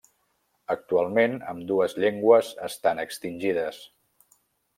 Actualment, ambdues llengües estan extingides.